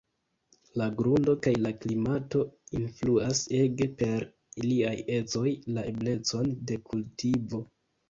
La grundo kaj la klimato influas ege per iliaj ecoj la eblecon de kultivo.